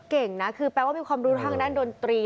เก่งนะคือแปลว่ามีความรู้ทางด้านดนตรี